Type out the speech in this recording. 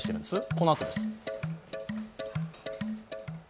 このあとです。